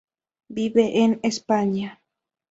Vive en España.